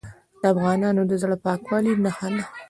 د افغانانو د زړه پاکوالي نښه ده.